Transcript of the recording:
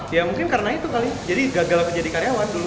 ya mungkin karena itu kali jadi gagal aku jadi karyawan dulu